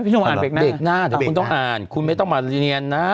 พี่หนุ่มอ่านเบรกหน้าเดี๋ยวคุณต้องอ่านคุณไม่ต้องมาเรียนเนียนนะ